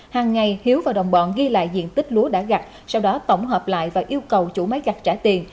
hàng ngày hiếu và đồng bọn ghi lại diện tích lúa đã gạch sau đó tổng hợp lại và yêu cầu chủ máy gặt trả tiền